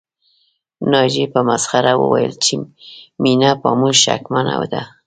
ناجيې په مسخره وويل چې مينه په موږ شکمنه ده